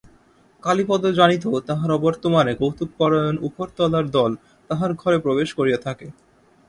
কালীপদ জানিত তাহার অবর্তমানে কৌতুকপরায়ণ উপরতলার দল তাহার ঘরে প্রবেশ করিয়া থাকে।